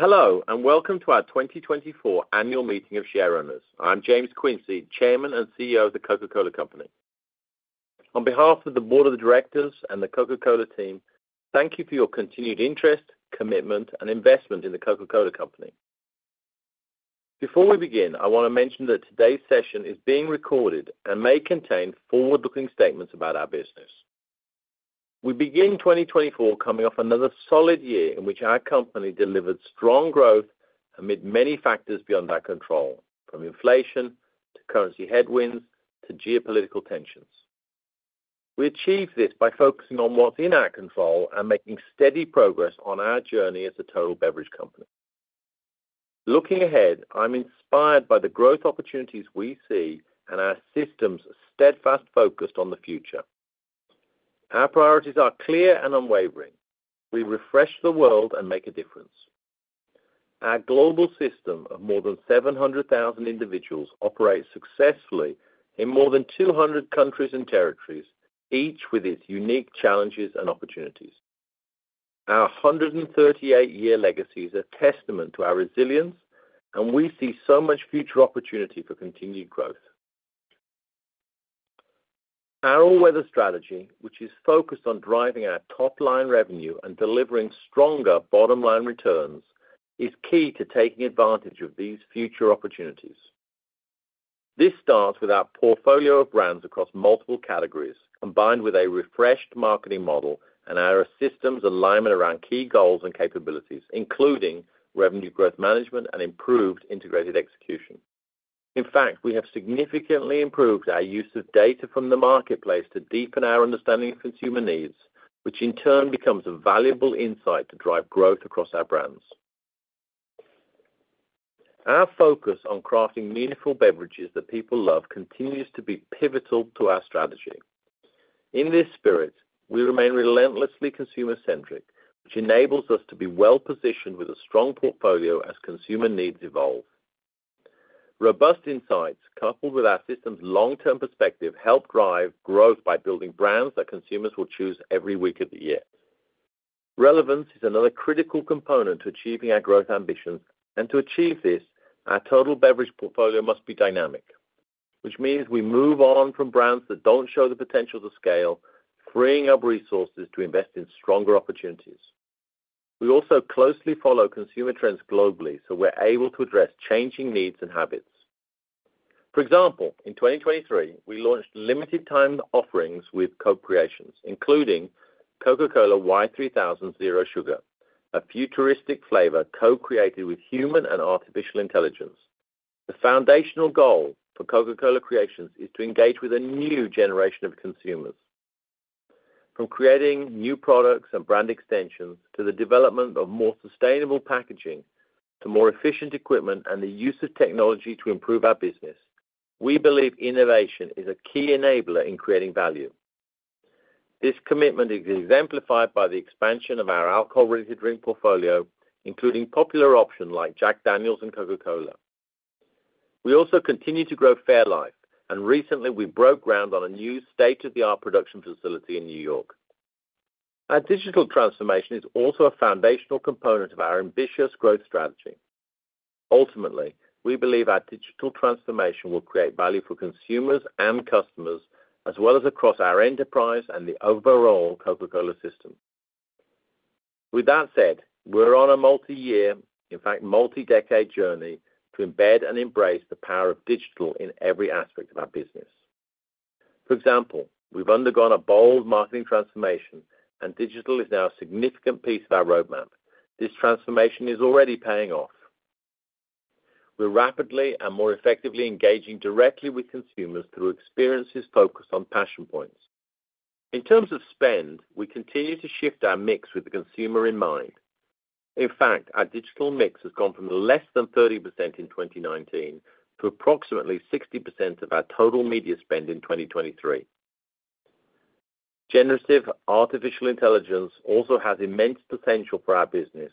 Hello, and welcome to our 2024 Annual Meeting of Shareowners. I'm James Quincey, Chairman and CEO of The Coca-Cola Company. On behalf of the Board of Directors and the Coca-Cola team, thank you for your continued interest, commitment, and investment in The Coca-Cola Company. Before we begin, I want to mention that today's session is being recorded and may contain forward-looking statements about our business. We begin 2024 coming off another solid year in which our company delivered strong growth amid many factors beyond our control, from inflation to currency headwinds to geopolitical tensions. We achieved this by focusing on what's in our control and making steady progress on our journey as a total beverage company. Looking ahead, I'm inspired by the growth opportunities we see and our system's steadfast focused on the future. Our priorities are clear and unwavering. We refresh the world and make a difference. Our global system of more than 700,000 individuals operates successfully in more than 200 countries and territories, each with its unique challenges and opportunities. Our 138-year legacy is a testament to our resilience, and we see so much future opportunity for continued growth. Our all-weather strategy, which is focused on driving our top-line revenue and delivering stronger bottom-line returns, is key to taking advantage of these future opportunities. This starts with our portfolio of brands across multiple categories, combined with a refreshed marketing model and our systems alignment around key goals and capabilities, including revenue growth management and improved integrated execution. In fact, we have significantly improved our use of data from the marketplace to deepen our understanding of consumer needs, which in turn becomes a valuable insight to drive growth across our brands. Our focus on crafting meaningful beverages that people love continues to be pivotal to our strategy. In this spirit, we remain relentlessly consumer-centric, which enables us to be well-positioned with a strong portfolio as consumer needs evolve. Robust insights, coupled with our system's long-term perspective, help drive growth by building brands that consumers will choose every week of the year. Relevance is another critical component to achieving our growth ambitions, and to achieve this, our total beverage portfolio must be dynamic, which means we move on from brands that don't show the potential to scale, freeing up resources to invest in stronger opportunities. We also closely follow consumer trends globally, so we're able to address changing needs and habits. For example, in 2023, we launched limited-time offerings with Coca-Cola Creations, including Coca-Cola Y3000 Zero Sugar, a futuristic flavor co-created with human and artificial intelligence. The foundational goal for Coca-Cola Creations is to engage with a new generation of consumers. From creating new products and brand extensions, to the development of more sustainable packaging, to more efficient equipment and the use of technology to improve our business, we believe innovation is a key enabler in creating value. This commitment is exemplified by the expansion of our alcohol-related drink portfolio, including popular options like Jack Daniel's and Coca-Cola. We also continue to grow Fairlife, and recently, we broke ground on a new state-of-the-art production facility in New York. Our digital transformation is also a foundational component of our ambitious growth strategy. Ultimately, we believe our digital transformation will create value for consumers and customers, as well as across our enterprise and the overall Coca-Cola system. With that said, we're on a multiyear, in fact, multi-decade journey to embed and embrace the power of digital in every aspect of our business. For example, we've undergone a bold marketing transformation, and digital is now a significant piece of our roadmap. This transformation is already paying off. We're rapidly and more effectively engaging directly with consumers through experiences focused on passion points. In terms of spend, we continue to shift our mix with the consumer in mind. In fact, our digital mix has gone from less than 30% in 2019 to approximately 60% of our total media spend in 2023. Generative artificial intelligence also has immense potential for our business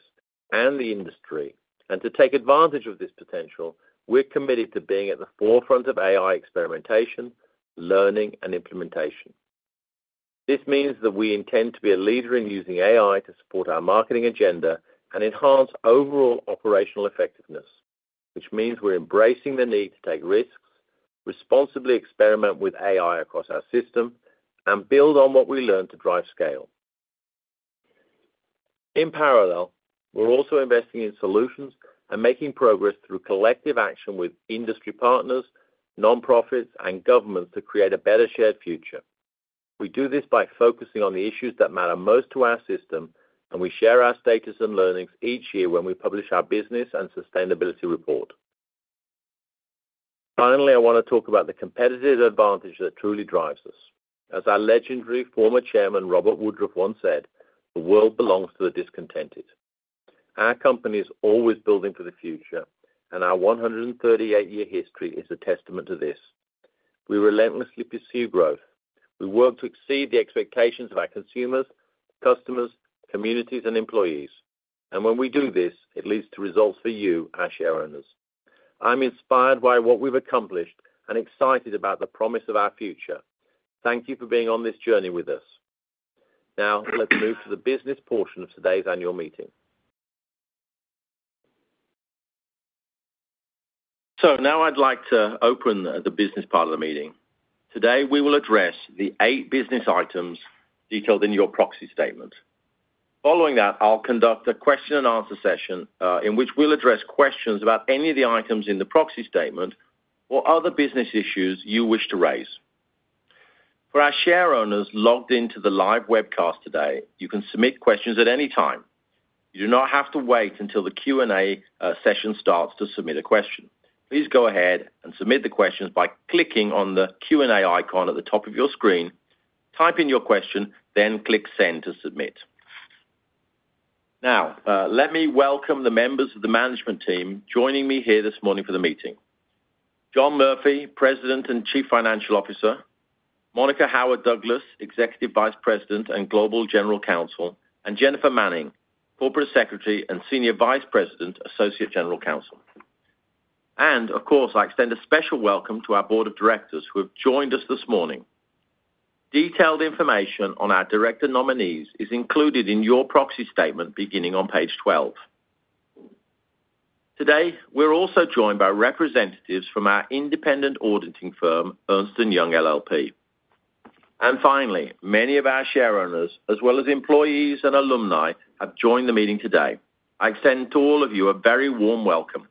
and the industry. And to take advantage of this potential, we're committed to being at the forefront of AI experimentation, learning, and implementation. This means that we intend to be a leader in using AI to support our marketing agenda and enhance overall operational effectiveness, which means we're embracing the need to take risks, responsibly experiment with AI across our system, and build on what we learn to drive scale. In parallel, we're also investing in solutions and making progress through collective action with industry partners, nonprofits, and governments to create a better shared future. We do this by focusing on the issues that matter most to our system, and we share our status and learnings each year when we publish our business and sustainability report. Finally, I want to talk about the competitive advantage that truly drives us. As our legendary former chairman, Robert Woodruff, once said, "The world belongs to the discontented." Our company is always building for the future, and our 138-year history is a testament to this. We relentlessly pursue growth. We work to exceed the expectations of our consumers, customers, communities, and employees, and when we do this, it leads to results for you, our shareowners. I'm inspired by what we've accomplished and excited about the promise of our future. Thank you for being on this journey with us. Now, let's move to the business portion of today's annual meeting. Now I'd like to open the business part of the meeting. Today, we will address the eight business items detailed in your proxy statement. Following that, I'll conduct a question and answer session in which we'll address questions about any of the items in the proxy statement or other business issues you wish to raise. For our shareowners logged into the live webcast today, you can submit questions at any time. You do not have to wait until the Q&A session starts to submit a question. Please go ahead and submit the questions by clicking on the Q&A icon at the top of your screen, type in your question, then click Send to submit. Now, let me welcome the members of the management team joining me here this morning for the meeting. John Murphy, President and Chief Financial Officer, Monica Howard Douglas, Executive Vice President and Global General Counsel, and Jennifer Manning, Corporate Secretary and Senior Vice President, Associate General Counsel. Of course, I extend a special welcome to our board of directors who have joined us this morning. Detailed information on our director nominees is included in your proxy statement, beginning on page 12. Today, we're also joined by representatives from our independent auditing firm, Ernst & Young LLP. Finally, many of our shareowners, as well as employees and alumni, have joined the meeting today. I extend to all of you a very warm welcome.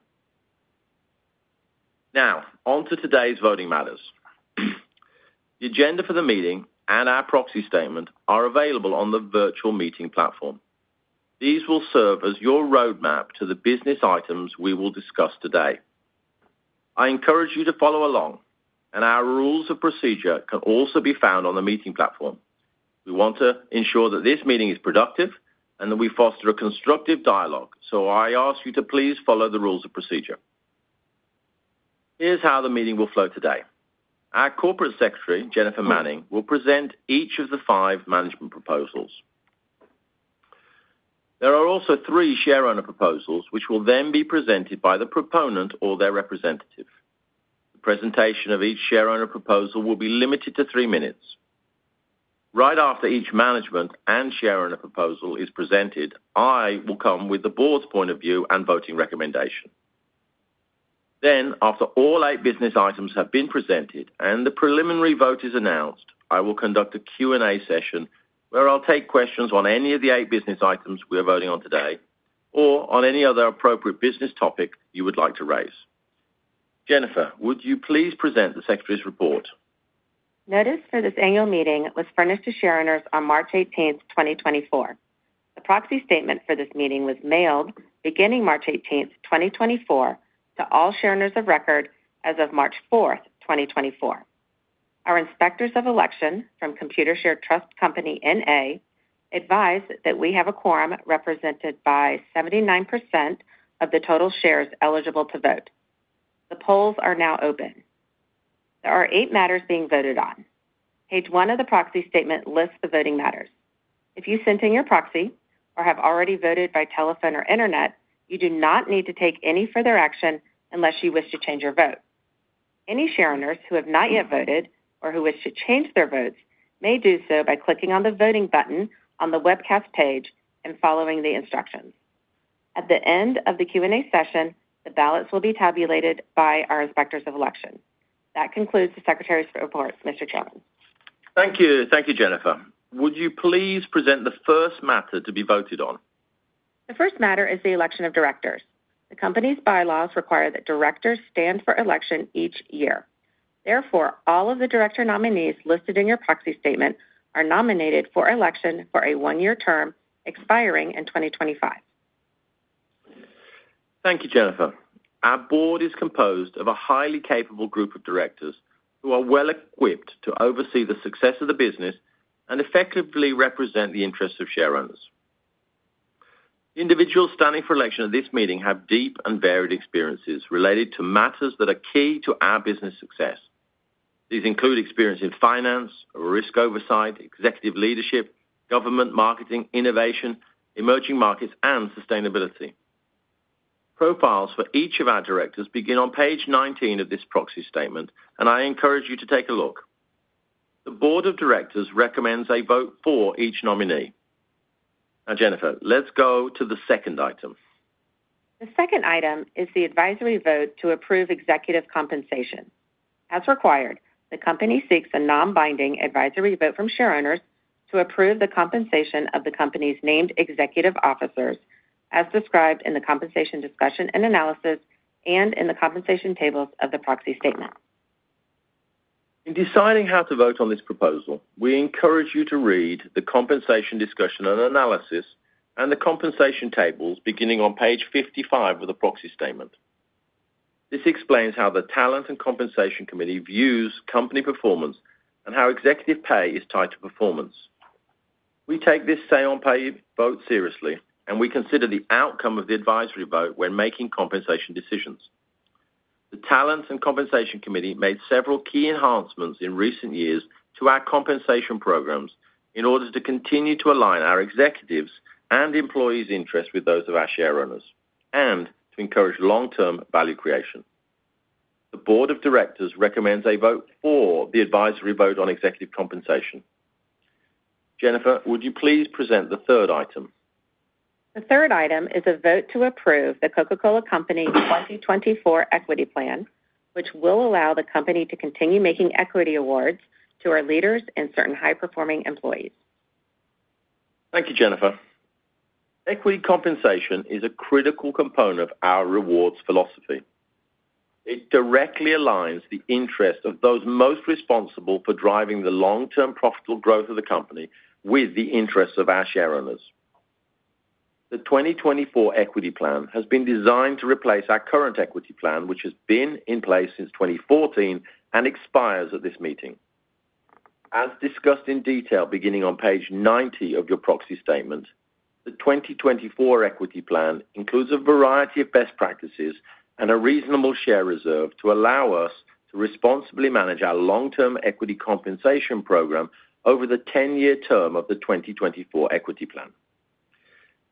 Now, on to today's voting matters. The agenda for the meeting and our proxy statement are available on the virtual meeting platform. These will serve as your roadmap to the business items we will discuss today. I encourage you to follow along, and our rules of procedure can also be found on the meeting platform. We want to ensure that this meeting is productive and that we foster a constructive dialogue, so I ask you to please follow the rules of procedure. Here's how the meeting will flow today. Our corporate secretary, Jennifer Manning, will present each of the five management proposals. There are also three shareowner proposals, which will then be presented by the proponent or their representative. The presentation of each shareowner proposal will be limited to three minutes. Right after each management and shareowner proposal is presented, I will come with the board's point of view and voting recommendation. Then, after all eight business items have been presented and the preliminary vote is announced, I will conduct a Q&A session where I'll take questions on any of the eight business items we are voting on today or on any other appropriate business topic you would like to raise. Jennifer, would you please present the secretary's report? Notice for this annual meeting was furnished to shareowners on 18 March 2024. The proxy statement for this meeting was mailed beginning 18 March 2024, to all shareowners of record as of 4 March 2024. Our inspectors of election from Computershare Trust Company, N.A., advise that we have a quorum represented by 79% of the total shares eligible to vote. The polls are now open. There are eight matters being voted on. Page one of the proxy statement lists the voting matters. If you sent in your proxy or have already voted by telephone or internet, you do not need to take any further action unless you wish to change your vote. Any shareowners who have not yet voted or who wish to change their votes may do so by clicking on the voting button on the webcast page and following the instructions. At the end of the Q&A session, the ballots will be tabulated by our inspectors of election. That concludes the secretary's report, Mr. Chairman. Thank you. Thank you, Jennifer. Would you please present the first matter to be voted on? The first matter is the election of directors. The company's bylaws require that directors stand for election each year. Therefore, all of the director nominees listed in your proxy statement are nominated for election for a one-year term expiring in 2025. Thank you, Jennifer. Our board is composed of a highly capable group of directors who are well-equipped to oversee the success of the business and effectively represent the interests of shareowners. Individuals standing for election at this meeting have deep and varied experiences related to matters that are key to our business success. These include experience in finance, risk oversight, executive leadership, government, marketing, innovation, emerging markets, and sustainability. Profiles for each of our directors begin on page 19 of this proxy statement, and I encourage you to take a look. The board of directors recommends a vote for each nominee. Now, Jennifer, let's go to the second item. The second item is the advisory vote to approve executive compensation. As required, the company seeks a non-binding advisory vote from shareowners to approve the compensation of the company's named executive officers, as described in the compensation discussion and analysis and in the compensation tables of the proxy statement. In deciding how to vote on this proposal, we encourage you to read the compensation discussion and analysis and the compensation tables beginning on page 55 of the proxy statement. This explains how the Talent and Compensation Committee views company performance and how executive pay is tied to performance. We take this say on pay vote seriously, and we consider the outcome of the advisory vote when making compensation decisions. The Talent and Compensation Committee made several key enhancements in recent years to our compensation programs in order to continue to align our executives' and employees' interests with those of our shareowners and to encourage long-term value creation.... The board of directors recommends a vote for the advisory vote on executive compensation. Jennifer, would you please present the third item? The third item is a vote to approve The Coca-Cola Company 2024 Equity Plan, which will allow the company to continue making equity awards to our leaders and certain high-performing employees. Thank you, Jennifer. Equity compensation is a critical component of our rewards philosophy. It directly aligns the interest of those most responsible for driving the long-term profitable growth of the company with the interests of our shareowners. The 2024 equity plan has been designed to replace our current equity plan, which has been in place since 2014 and expires at this meeting. As discussed in detail, beginning on page 90 of your proxy statement, the 2024 equity plan includes a variety of best practices and a reasonable share reserve to allow us to responsibly manage our long-term equity compensation program over the 10-year term of the 2024 equity plan.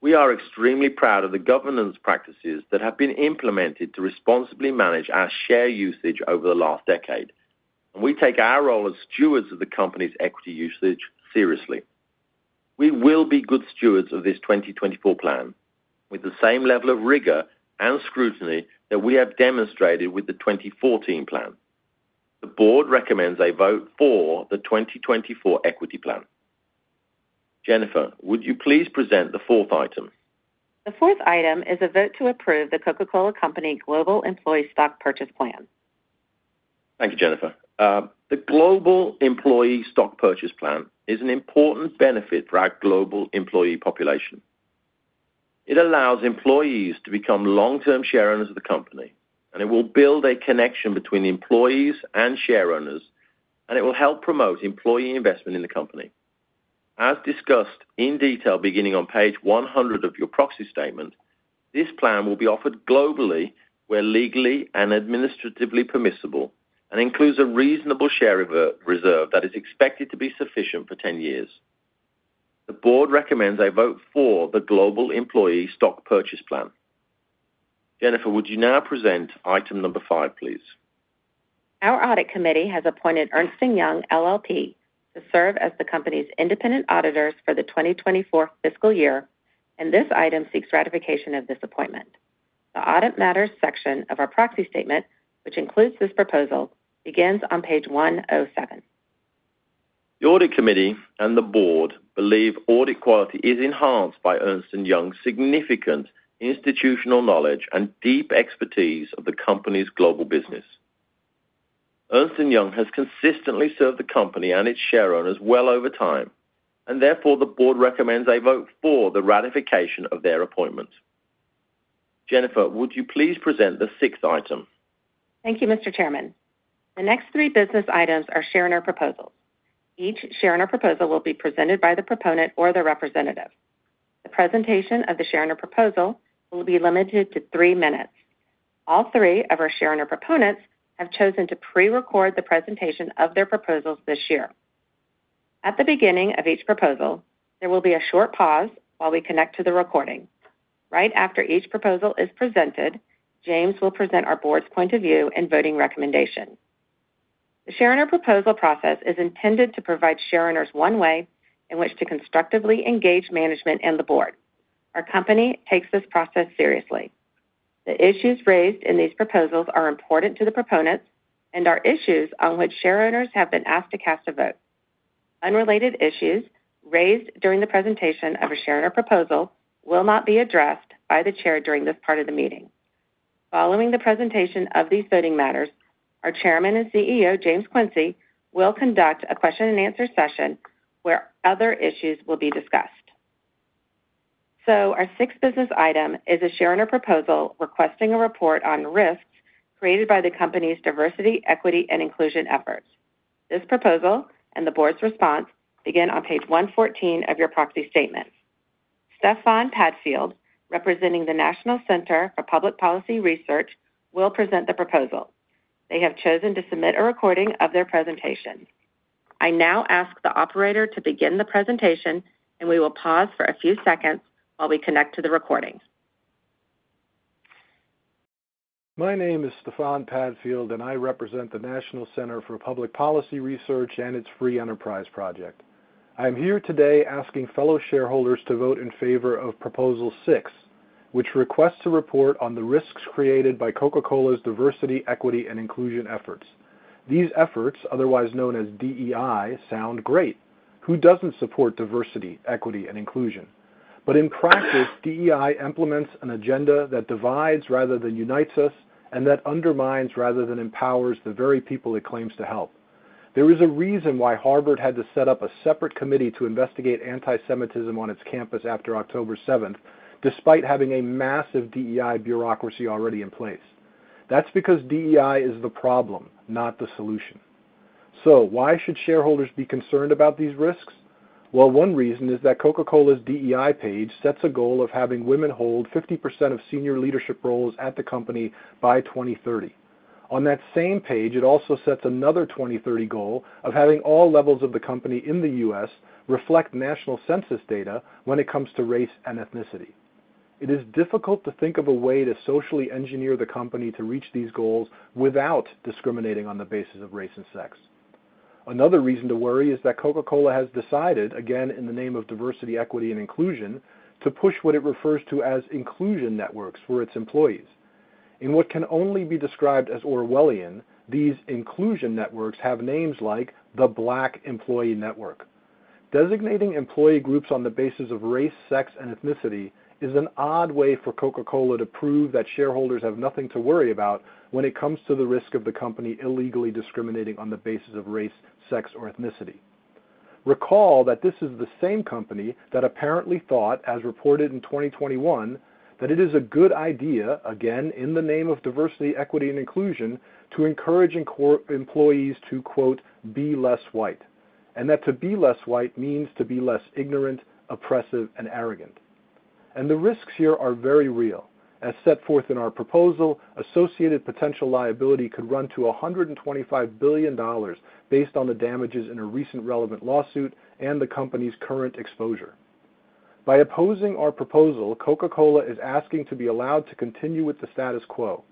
We are extremely proud of the governance practices that have been implemented to responsibly manage our share usage over the last decade, and we take our role as stewards of the company's equity usage seriously. We will be good stewards of this 2024 plan, with the same level of rigor and scrutiny that we have demonstrated with the 2014 plan. The board recommends a vote for the 2024 equity plan. Jennifer, would you please present the fourth item? The fourth item is a vote to approve The Coca-Cola Company Global Employee Stock Purchase Plan. Thank you, Jennifer. The Global Employee Stock Purchase Plan is an important benefit for our global employee population. It allows employees to become long-term shareowners of the company, and it will build a connection between employees and shareowners, and it will help promote employee investment in the company. As discussed in detail, beginning on page 100 of your proxy statement, this plan will be offered globally, where legally and administratively permissible, and includes a reasonable share reserve that is expected to be sufficient for 10 years. The board recommends a vote for the Global Employee Stock Purchase Plan. Jennifer, would you now present item number five, please? Our audit committee has appointed Ernst & Young LLP to serve as the company's independent auditors for the 2024 fiscal year, and this item seeks ratification of this appointment. The Audit Matters section of our proxy statement, which includes this proposal, begins on page 107. The audit committee and the board believe audit quality is enhanced by Ernst & Young's significant institutional knowledge and deep expertise of the company's global business. Ernst & Young has consistently served the company and its shareowners well over time, and therefore, the board recommends a vote for the ratification of their appointment. Jennifer, would you please present the sixth item? Thank you, Mr. Chairman. The next three business items are shareowner proposals. Each shareowner proposal will be presented by the proponent or their representative. The presentation of the shareowner proposal will be limited to three minutes. All three of our shareowner proponents have chosen to pre-record the presentation of their proposals this year. At the beginning of each proposal, there will be a short pause while we connect to the recording. Right after each proposal is presented, James will present our board's point of view and voting recommendation. The shareowner proposal process is intended to provide shareowners one way in which to constructively engage management and the board. Our company takes this process seriously. The issues raised in these proposals are important to the proponents and are issues on which shareowners have been asked to cast a vote. Unrelated issues raised during the presentation of a shareowner proposal will not be addressed by the chair during this part of the meeting. Following the presentation of these voting matters, our Chairman and CEO, James Quincey, will conduct a question and answer session, where other issues will be discussed. Our sixth business item is a shareowner proposal requesting a report on risks created by the company's diversity, equity, and inclusion efforts. This proposal and the board's response begin on page 114 of your proxy statement. Stefan Padfield, representing the National Center for Public Policy Research, will present the proposal. They have chosen to submit a recording of their presentation. I now ask the operator to begin the presentation, and we will pause for a few seconds while we connect to the recording. My name is Stefan Padfield, and I represent the National Center for Public Policy Research and its free enterprise project. I'm here today asking fellow shareholders to vote in favor of proposal six, which requests to report on the risks created by Coca-Cola's diversity, equity, and inclusion efforts. These efforts, otherwise known as DEI, sound great. Who doesn't support diversity, equity, and inclusion? But in practice, DEI implements an agenda that divides rather than unites us and that undermines rather than empowers the very people it claims to help. There is a reason why Harvard had to set up a separate committee to investigate antisemitism on its campus after October seventh, despite having a massive DEI bureaucracy already in place. That's because DEI is the problem, not the solution. So why should shareholders be concerned about these risks? Well, one reason is that Coca-Cola's DEI page sets a goal of having women hold 50% of senior leadership roles at the company by 2030. On that same page, it also sets another 2030 goal of having all levels of the company in the US reflect national census data when it comes to race and ethnicity... It is difficult to think of a way to socially engineer the company to reach these goals without discriminating on the basis of race and sex. Another reason to worry is that Coca-Cola has decided, again, in the name of diversity, equity, and inclusion, to push what it refers to as inclusion networks for its employees. In what can only be described as Orwellian, these inclusion networks have names like the Black Employee Network. Designating employee groups on the basis of race, sex, and ethnicity is an odd way for Coca-Cola to prove that shareholders have nothing to worry about when it comes to the risk of the company illegally discriminating on the basis of race, sex, or ethnicity. Recall that this is the same company that apparently thought, as reported in 2021, that it is a good idea, again, in the name of diversity, equity, and inclusion, to encourage employees to, quote, "Be less white," and that to be less white means to be less ignorant, oppressive, and arrogant. The risks here are very real. As set forth in our proposal, associated potential liability could run to $125 billion based on the damages in a recent relevant lawsuit and the company's current exposure. By opposing our proposal, Coca-Cola is asking to be allowed to continue with the status quo.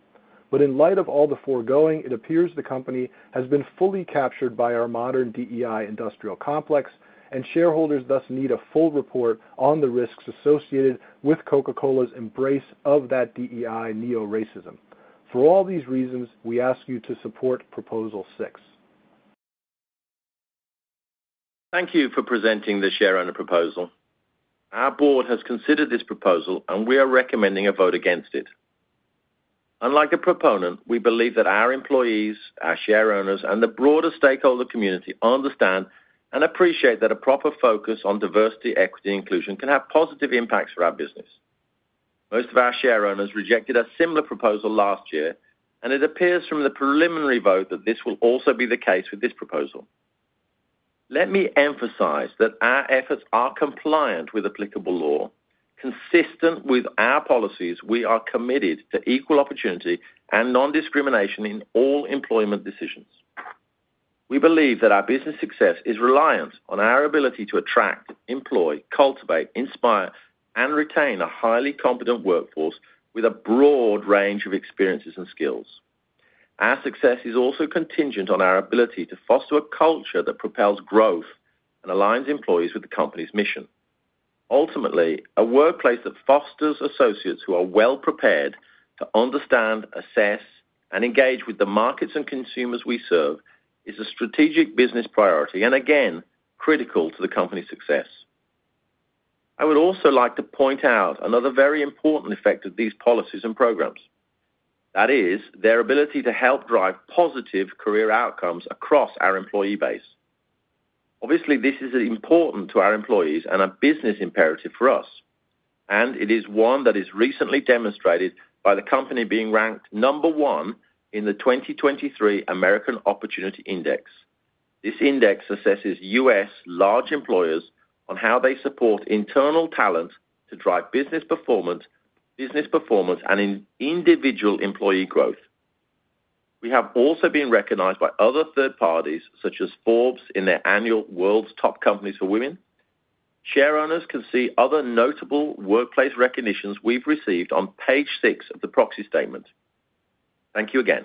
But in light of all the foregoing, it appears the company has been fully captured by our modern DEI industrial complex, and shareholders thus need a full report on the risks associated with Coca-Cola's embrace of that DEI neo-racism. For all these reasons, we ask you to support Proposal Six. Thank you for presenting the shareowner proposal. Our board has considered this proposal, and we are recommending a vote against it. Unlike a proponent, we believe that our employees, our shareowners, and the broader stakeholder community understand and appreciate that a proper focus on diversity, equity, and inclusion can have positive impacts for our business. Most of our shareowners rejected a similar proposal last year, and it appears from the preliminary vote that this will also be the case with this proposal. Let me emphasize that our efforts are compliant with applicable law. Consistent with our policies, we are committed to equal opportunity and non-discrimination in all employment decisions. We believe that our business success is reliant on our ability to attract, employ, cultivate, inspire, and retain a highly competent workforce with a broad range of experiences and skills. Our success is also contingent on our ability to foster a culture that propels growth and aligns employees with the company's mission. Ultimately, a workplace that fosters associates who are well-prepared to understand, assess, and engage with the markets and consumers we serve is a strategic business priority, and again, critical to the company's success. I would also like to point out another very important effect of these policies and programs, that is, their ability to help drive positive career outcomes across our employee base. Obviously, this is important to our employees and a business imperative for us, and it is one that is recently demonstrated by the company being ranked number one in the 2023 American Opportunity Index. This index assesses US large employers on how they support internal talent to drive business performance, business performance, and in individual employee growth. We have also been recognized by other third parties, such as Forbes, in their annual World's Top Companies for Women. Shareowners can see other notable workplace recognitions we've received on page six of the proxy statement. Thank you again.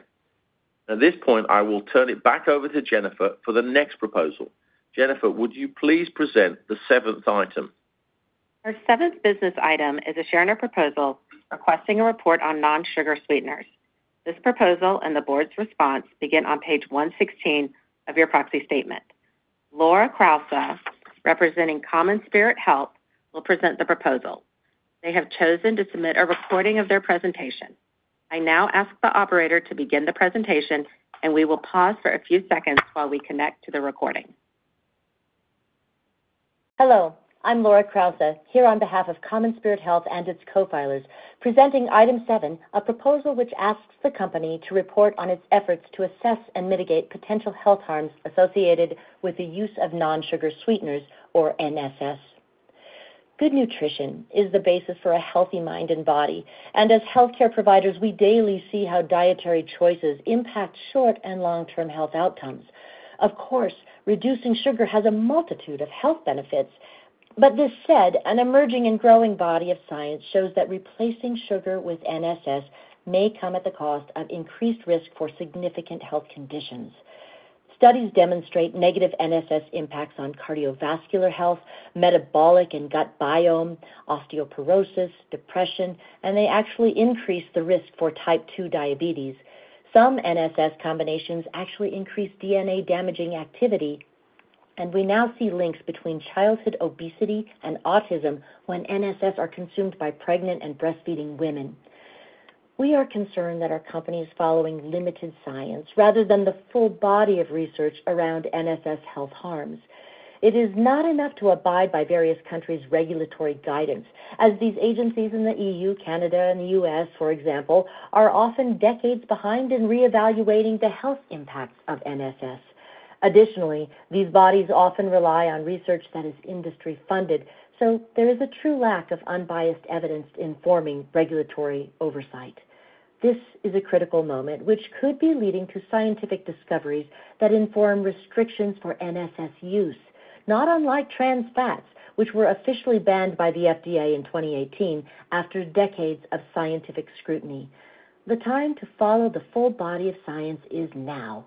At this point, I will turn it back over to Jennifer for the next proposal. Jennifer, would you please present the seventh item? Our seventh business item is a shareowner proposal requesting a report on non-sugar sweeteners. This proposal and the board's response begin on page 116 of your proxy statement. Laura Krause, representing CommonSpirit Health, will present the proposal. They have chosen to submit a recording of their presentation. I now ask the operator to begin the presentation, and we will pause for a few seconds while we connect to the recording. Hello, I'm Laura Krause, here on behalf of CommonSpirit Health and its co-filers, presenting item seven, a proposal which asks the company to report on its efforts to assess and mitigate potential health harms associated with the use of non-sugar sweeteners, or NSS. Good nutrition is the basis for a healthy mind and body, and as healthcare providers, we daily see how dietary choices impact short and long-term health outcomes. Of course, reducing sugar has a multitude of health benefits, but this said, an emerging and growing body of science shows that replacing sugar with NSS may come at the cost of increased risk for significant health conditions. Studies demonstrate negative NSS impacts on cardiovascular health, metabolic and gut biome, osteoporosis, depression, and they actually increase the risk for type two diabetes. Some NSS combinations actually increase DNA-damaging activity, and we now see links between childhood obesity and autism when NSS are consumed by pregnant and breastfeeding women. We are concerned that our company is following limited science rather than the full body of research around NSS health harms. It is not enough to abide by various countries' regulatory guidance, as these agencies in the EU, Canada, and the US, for example, are often decades behind in reevaluating the health impacts of NSS. Additionally, these bodies often rely on research that is industry-funded, so there is a true lack of unbiased evidence in forming regulatory oversight. This is a critical moment, which could be leading to scientific discoveries that inform restrictions for NSS use, not unlike trans fats, which were officially banned by the FDA in 2018 after decades of scientific scrutiny. The time to follow the full body of science is now.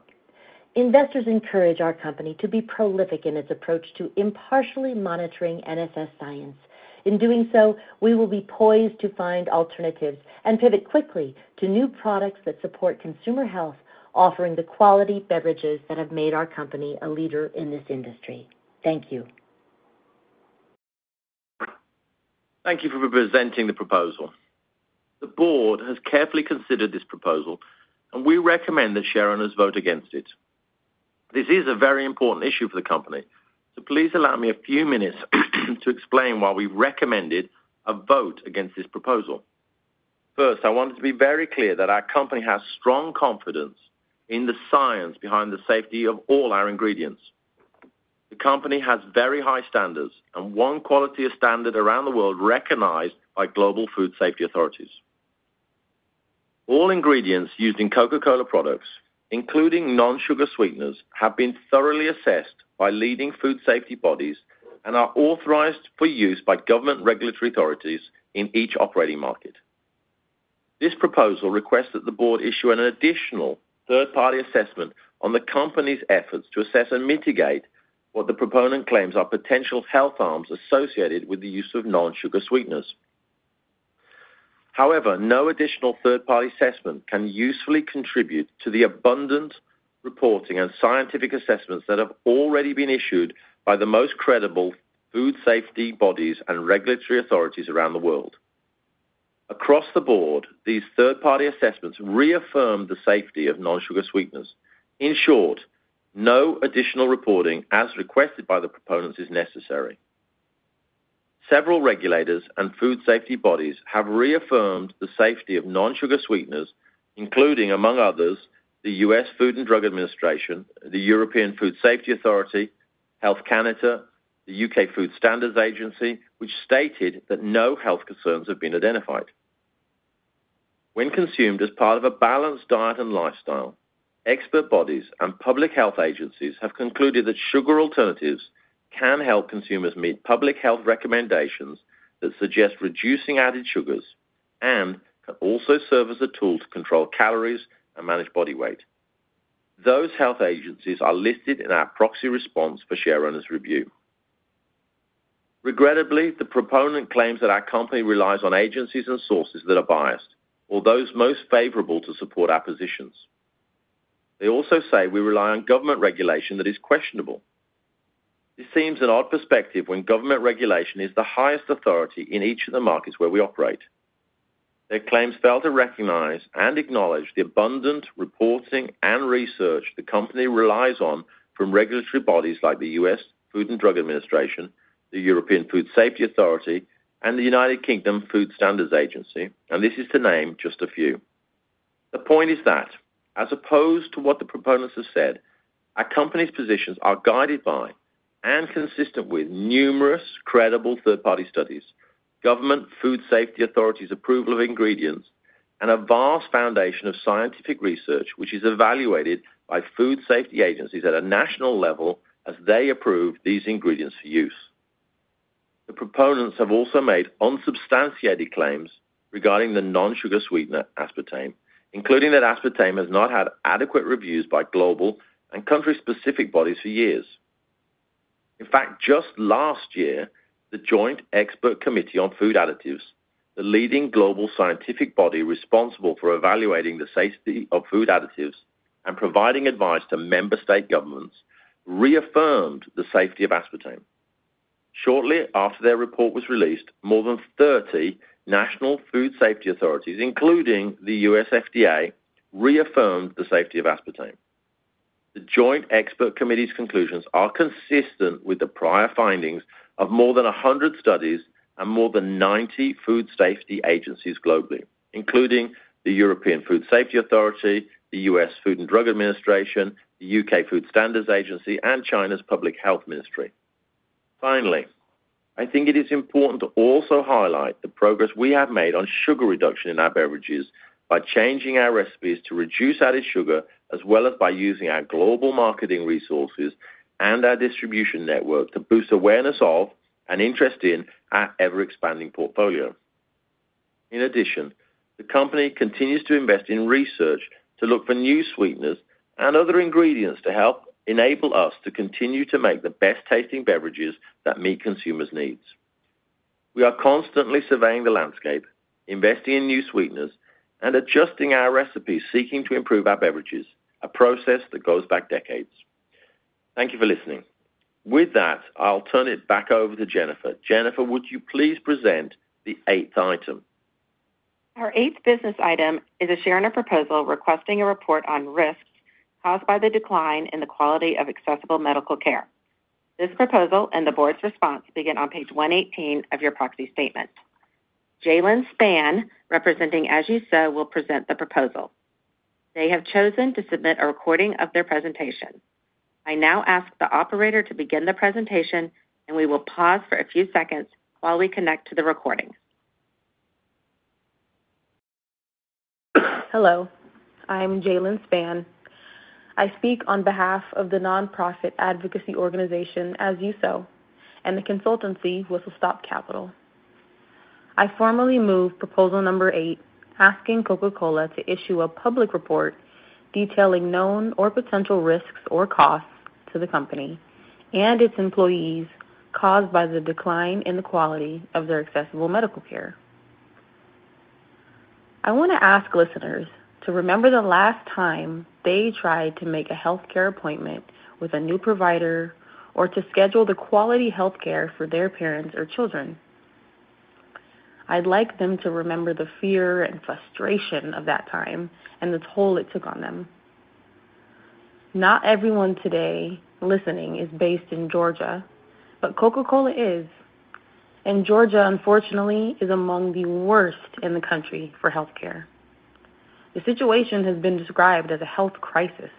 Investors encourage our company to be prolific in its approach to impartially monitoring NSS science. In doing so, we will be poised to find alternatives and pivot quickly to new products that support consumer health, offering the quality beverages that have made our company a leader in this industry. Thank you. Thank you for presenting the proposal. The board has carefully considered this proposal, and we recommend that shareholders vote against it. This is a very important issue for the company, so please allow me a few minutes to explain why we recommended a vote against this proposal. First, I want to be very clear that our company has strong confidence in the science behind the safety of all our ingredients. The company has very high standards and one quality standard around the world recognized by global food safety authorities. All ingredients used in Coca-Cola products, including non-sugar sweeteners, have been thoroughly assessed by leading food safety bodies and are authorized for use by government regulatory authorities in each operating market. This proposal requests that the board issue an additional third-party assessment on the company's efforts to assess and mitigate what the proponent claims are potential health harms associated with the use of non-sugar sweeteners. However, no additional third-party assessment can usefully contribute to the abundant reporting and scientific assessments that have already been issued by the most credible food safety bodies and regulatory authorities around the world. Across the board, these third-party assessments reaffirm the safety of non-sugar sweeteners. In short, no additional reporting, as requested by the proponents, is necessary. Several regulators and food safety bodies have reaffirmed the safety of non-sugar sweeteners, including, among others, the US Food and Drug Administration, the European Food Safety Authority, Health Canada, the UK Food Standards Agency, which stated that no health concerns have been identified. When consumed as part of a balanced diet and lifestyle, expert bodies and public health agencies have concluded that sugar alternatives can help consumers meet public health recommendations that suggest reducing added sugars and can also serve as a tool to control calories and manage body weight. Those health agencies are listed in our proxy response for shareholders' review. Regrettably, the proponent claims that our company relies on agencies and sources that are biased or those most favorable to support our positions. They also say we rely on government regulation that is questionable. This seems an odd perspective when government regulation is the highest authority in each of the markets where we operate. Their claims fail to recognize and acknowledge the abundant reporting and research the company relies on from regulatory bodies like the US Food and Drug Administration, the European Food Safety Authority, and the UK Food Standards Agency, and this is to name just a few. The point is that, as opposed to what the proponents have said, our company's positions are guided by and consistent with numerous credible third-party studies, government food safety authorities' approval of ingredients, and a vast foundation of scientific research, which is evaluated by food safety agencies at a national level as they approve these ingredients for use. The proponents have also made unsubstantiated claims regarding the non-sugar sweetener, aspartame, including that aspartame has not had adequate reviews by global and country-specific bodies for years. In fact, just last year, the Joint Expert Committee on Food Additives, the leading global scientific body responsible for evaluating the safety of food additives and providing advice to member state governments, reaffirmed the safety of aspartame. Shortly after their report was released, more than 30 national food safety authorities, including the US FDA, reaffirmed the safety of aspartame. The Joint Expert Committee's conclusions are consistent with the prior findings of more than 100 studies and more than 90 food safety agencies globally, including the European Food Safety Authority, the US Food and Drug Administration, the UK Food Standards Agency, and China's Public Health Ministry. Finally, I think it is important to also highlight the progress we have made on sugar reduction in our beverages by changing our recipes to reduce added sugar, as well as by using our global marketing resources and our distribution network to boost awareness of and interest in our ever-expanding portfolio. In addition, the company continues to invest in research to look for new sweeteners and other ingredients to help enable us to continue to make the best-tasting beverages that meet consumers' needs. We are constantly surveying the landscape, investing in new sweeteners, and adjusting our recipes, seeking to improve our beverages, a process that goes back decades. Thank you for listening. With that, I'll turn it back over to Jennifer. Jennifer, would you please present the eighth item? Our eighth business item is a shareholder proposal requesting a report on risks caused by the decline in the quality of accessible medical care. This proposal, and the board's response, begin on page 118 of your proxy statement. Jalen Spann, representing As You Sow, will present the proposal.... They have chosen to submit a recording of their presentation. I now ask the operator to begin the presentation, and we will pause for a few seconds while we connect to the recording. Hello, I'm Jalen Spann. I speak on behalf of the nonprofit advocacy organization, As You Sow, and the consultancy, Whistle Stop Capital. I formally move proposal number eight, asking Coca-Cola to issue a public report detailing known or potential risks or costs to the company and its employees caused by the decline in the quality of their accessible medical care. I want to ask listeners to remember the last time they tried to make a healthcare appointment with a new provider, or to schedule the quality healthcare for their parents or children. I'd like them to remember the fear and frustration of that time and the toll it took on them. Not everyone today listening is based in Georgia, but Coca-Cola is, and Georgia, unfortunately, is among the worst in the country for healthcare. The situation has been described as a health crisis.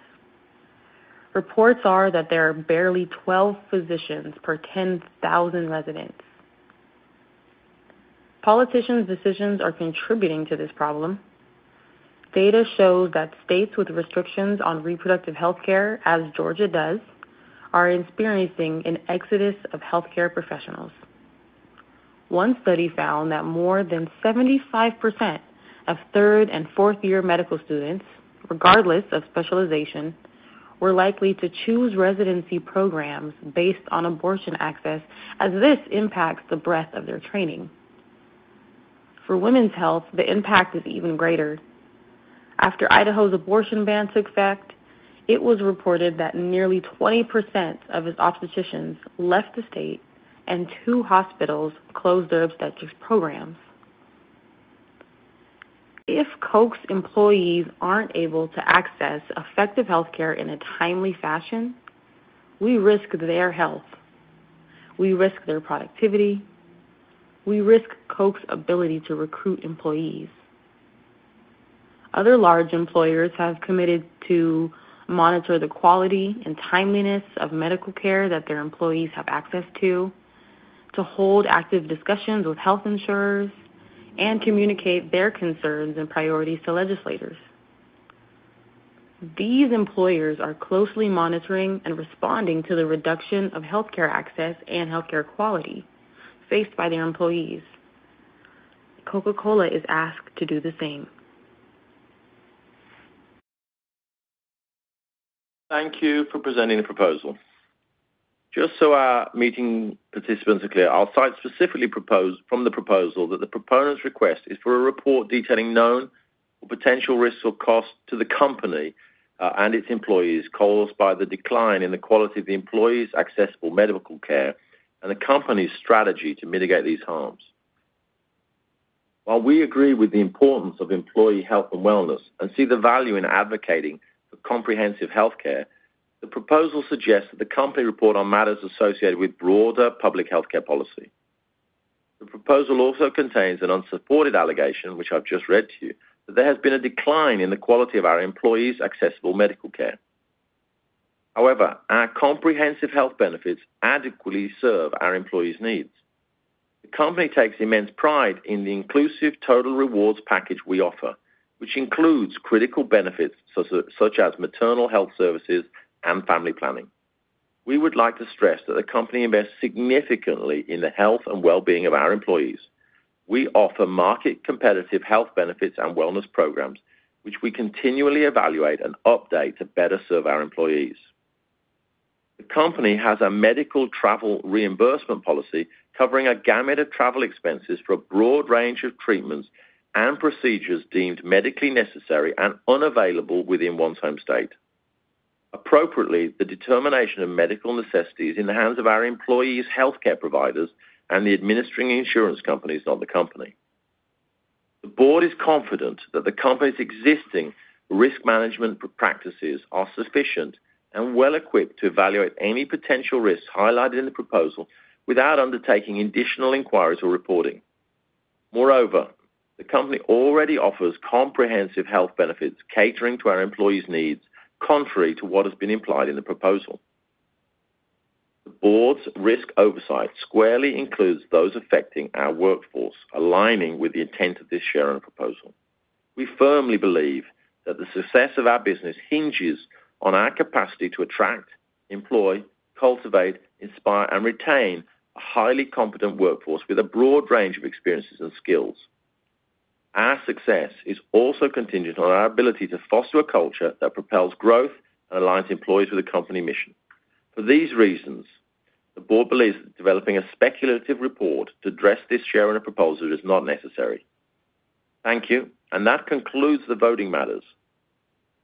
Reports are that there are barely 12 physicians per 10,000 residents. Politicians' decisions are contributing to this problem. Data shows that states with restrictions on reproductive health care, as Georgia does, are experiencing an exodus of healthcare professionals. One study found that more than 75% of third and fourth-year medical students, regardless of specialization, were likely to choose residency programs based on abortion access, as this impacts the breadth of their training. For women's health, the impact is even greater. After Idaho's abortion ban took effect, it was reported that nearly 20% of its obstetricians left the state and two hospitals closed their obstetrics programs. If Coke's employees aren't able to access effective healthcare in a timely fashion, we risk their health. We risk their productivity. We risk Coke's ability to recruit employees. Other large employers have committed to monitor the quality and timeliness of medical care that their employees have access to, to hold active discussions with health insurers, and communicate their concerns and priorities to legislators. These employers are closely monitoring and responding to the reduction of healthcare access and healthcare quality faced by their employees. Coca-Cola is asked to do the same. Thank you for presenting the proposal. Just so our meeting participants are clear, I'll cite specifically from the proposal, that the proponent's request is for a report detailing known or potential risks or costs to the company and its employees, caused by the decline in the quality of the employees' accessible medical care and the company's strategy to mitigate these harms. While we agree with the importance of employee health and wellness and see the value in advocating for comprehensive healthcare, the proposal suggests that the company report on matters associated with broader public healthcare policy. The proposal also contains an unsupported allegation, which I've just read to you, that there has been a decline in the quality of our employees' accessible medical care. However, our comprehensive health benefits adequately serve our employees' needs. The company takes immense pride in the inclusive total rewards package we offer, which includes critical benefits, such as maternal health services and family planning. We would like to stress that the company invests significantly in the health and well-being of our employees. We offer market-competitive health benefits and wellness programs, which we continually evaluate and update to better serve our employees. The company has a medical travel reimbursement policy covering a gamut of travel expenses for a broad range of treatments and procedures deemed medically necessary and unavailable within one's home state. Appropriately, the determination of medical necessity is in the hands of our employees' healthcare providers and the administering insurance companies, not the company. The board is confident that the company's existing risk management practices are sufficient and well-equipped to evaluate any potential risks highlighted in the proposal without undertaking additional inquiries or reporting. Moreover, the company already offers comprehensive health benefits catering to our employees' needs, contrary to what has been implied in the proposal. The board's risk oversight squarely includes those affecting our workforce, aligning with the intent of this shareholder proposal. We firmly believe that the success of our business hinges on our capacity to attract, employ, cultivate, inspire, and retain a highly competent workforce with a broad range of experiences and skills. Our success is also contingent on our ability to foster a culture that propels growth and aligns employees with the company mission. For these reasons, the board believes that developing a speculative report to address this shareholder proposal is not necessary. Thank you, and that concludes the voting matters.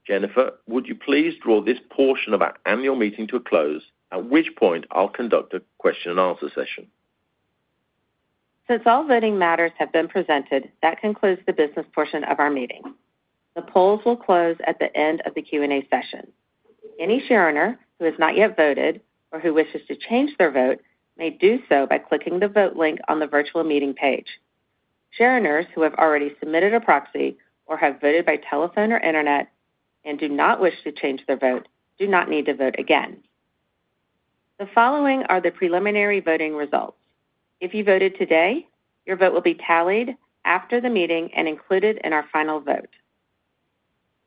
Jennifer, would you please draw this portion of our annual meeting to a close, at which point I'll conduct a question and answer session? Since all voting matters have been presented, that concludes the business portion of our meeting. The polls will close at the end of the Q&A session. Any shareowner who has not yet voted or who wishes to change their vote may do so by clicking the Vote link on the virtual meeting page. Shareowners who have already submitted a proxy or have voted by telephone or internet and do not wish to change their vote, do not need to vote again. The following are the preliminary voting results. If you voted today, your vote will be tallied after the meeting and included in our final vote.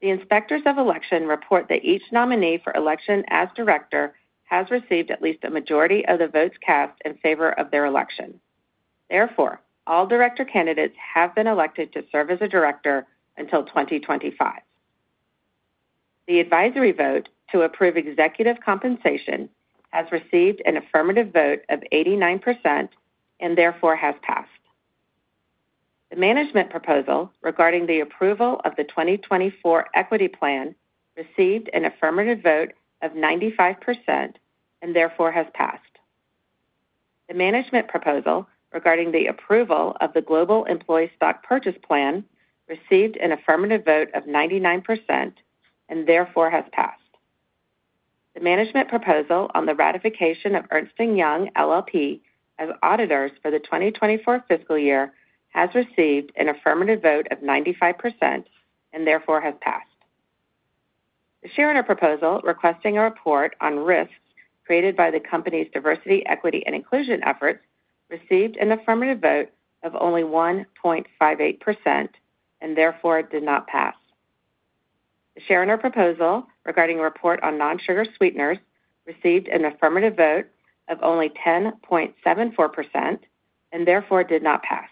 The inspectors of election report that each nominee for election as director has received at least a majority of the votes cast in favor of their election. Therefore, all director candidates have been elected to serve as a director until 2025. The advisory vote to approve executive compensation has received an affirmative vote of 89% and therefore has passed. The management proposal regarding the approval of the 2024 equity plan received an affirmative vote of 95% and therefore has passed. The management proposal regarding the approval of the Global Employee Stock Purchase Plan received an affirmative vote of 99% and therefore has passed. The management proposal on the ratification of Ernst & Young LLP as auditors for the 2024 fiscal year has received an affirmative vote of 95% and therefore has passed. The shareowner proposal, requesting a report on risks created by the company's Diversity, Equity, and Inclusion efforts, received an affirmative vote of only 1.58% and therefore did not pass. The shareowner proposal regarding a report on non-sugar sweeteners received an affirmative vote of only 10.74% and therefore did not pass.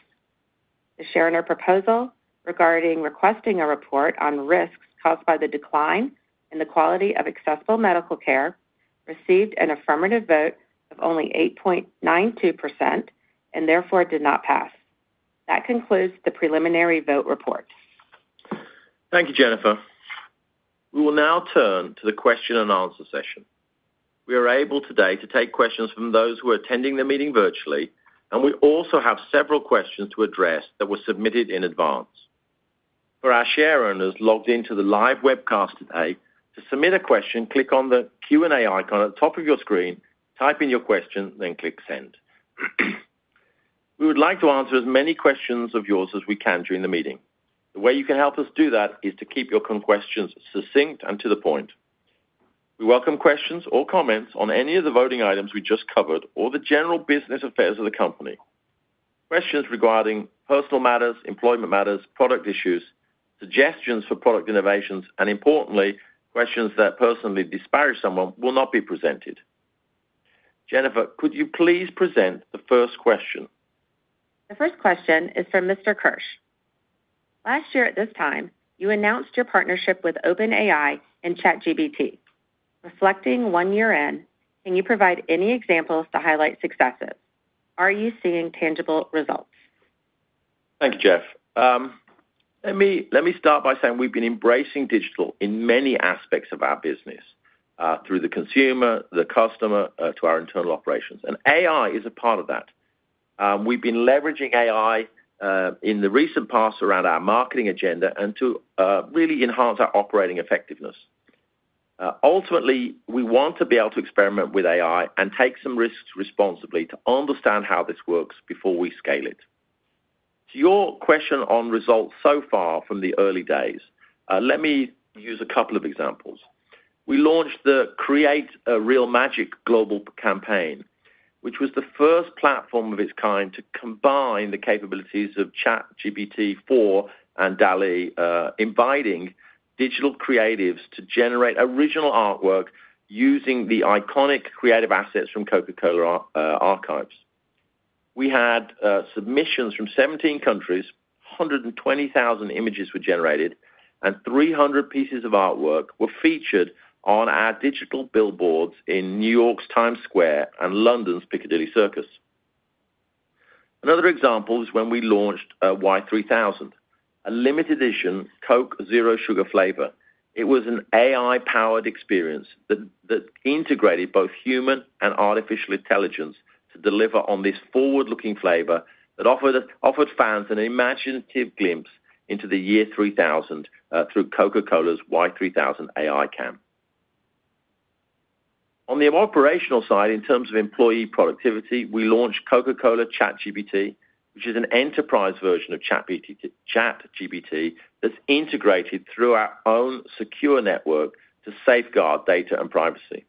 The shareowner proposal regarding requesting a report on risks caused by the decline in the quality of accessible medical care received an affirmative vote of only 8.92% and therefore did not pass. That concludes the preliminary vote report. Thank you, Jennifer. We will now turn to the question and answer session. We are able today to take questions from those who are attending the meeting virtually, and we also have several questions to address that were submitted in advance. For our shareowners logged into the live webcast today, to submit a question, click on the Q&A icon at the top of your screen, type in your question, then click Send. We would like to answer as many questions of yours as we can during the meeting. The way you can help us do that is to keep your questions succinct and to the point. We welcome questions or comments on any of the voting items we just covered, or the general business affairs of the company. Questions regarding personal matters, employment matters, product issues, suggestions for product innovations, and importantly, questions that personally disparage someone will not be presented. Jennifer, could you please present the first question? The first question is from Mr. Kirsch: Last year at this time, you announced your partnership with OpenAI and ChatGPT. Reflecting one year in, can you provide any examples to highlight successes? Are you seeing tangible results? Thank you, Jeff. Let me start by saying we've been embracing digital in many aspects of our business, through the consumer, the customer, to our internal operations, and AI is a part of that. We've been leveraging AI in the recent past around our marketing agenda and to really enhance our operating effectiveness. Ultimately, we want to be able to experiment with AI and take some risks responsibly to understand how this works before we scale it. To your question on results so far from the early days, let me use a couple of examples. We launched the Create Real Magic global campaign, which was the first platform of its kind to combine the capabilities of ChatGPT-4 and DALL-E, inviting digital creatives to generate original artwork using the iconic creative assets from Coca-Cola archives. We had submissions from 17 countries, 120,000 images were generated, and 300 pieces of artwork were featured on our digital billboards in New York's Times Square and London's Piccadilly Circus. Another example is when we launched Y3000, a limited edition Coke Zero Sugar flavor. It was an AI-powered experience that integrated both human and artificial intelligence to deliver on this forward-looking flavor that offered fans an imaginative glimpse into the year 3000 through Coca-Cola's Y3000 AI campaign. On the operational side, in terms of employee productivity, we launched Coca-Cola ChatGPT, which is an enterprise version of ChatGPT that's integrated through our own secure network to safeguard data and privacy.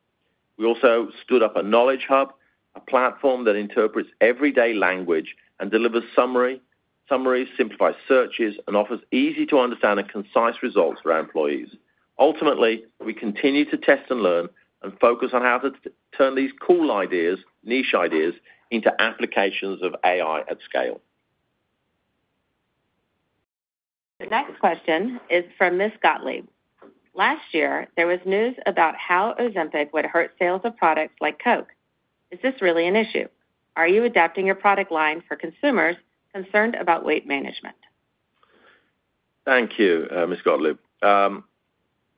We also stood up a knowledge hub, a platform that interprets everyday language and delivers summary, summaries, simplifies searches, and offers easy-to-understand and concise results for our employees. Ultimately, we continue to test and learn and focus on how to turn these cool ideas, niche ideas, into applications of AI at scale. The next question is from Ms. Gottlieb: Last year, there was news about how Ozempic would hurt sales of products like Coke. Is this really an issue? Are you adapting your product line for consumers concerned about weight management? Thank you, Ms. Gottlieb.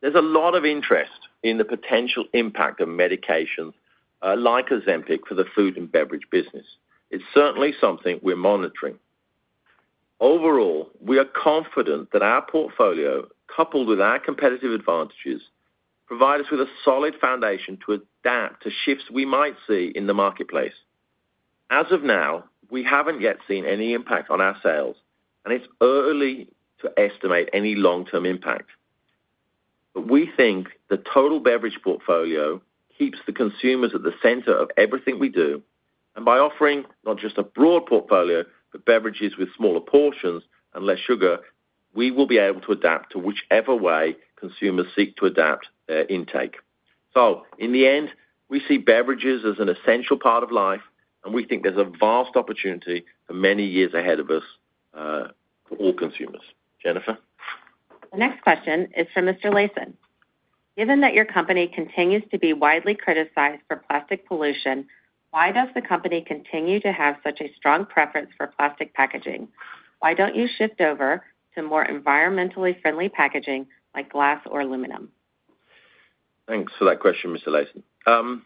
There's a lot of interest in the potential impact of medications like Ozempic for the food and beverage business. It's certainly something we're monitoring. Overall, we are confident that our portfolio, coupled with our competitive advantages, provide us with a solid foundation to adapt to shifts we might see in the marketplace. As of now, we haven't yet seen any impact on our sales, and it's early to estimate any long-term impact. But we think the total beverage portfolio keeps the consumers at the center of everything we do, and by offering not just a broad portfolio, but beverages with smaller portions and less sugar, we will be able to adapt to whichever way consumers seek to adapt their intake. In the end, we see beverages as an essential part of life, and we think there's a vast opportunity for many years ahead of us, for all consumers. Jennifer? The next question is from Mr. Layson. Given that your company continues to be widely criticized for plastic pollution, why does the company continue to have such a strong preference for plastic packaging? Why don't you shift over to more environmentally friendly packaging, like glass or aluminum? Thanks for that question, Mr. Layson.